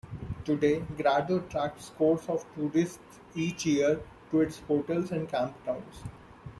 Today, Grado attracts scores of tourists each year to its hotels and campgrounds.